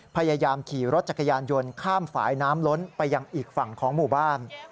พยายามขี่รถจักรยานยนต์ข้ามฝ่ายน้ำล้นไปยังอีกฝั่งของหมู่บ้าน